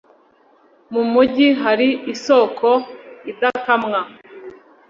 Mu mujyi hari isoko idakamwa